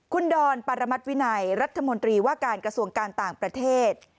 คุณดอนปรมัติวินัยรัฐมนตรีว่าการกระทรวงการต่างประเทศ